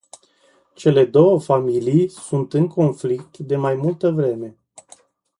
Cele două familii sunt în conflict de mai multă vreme.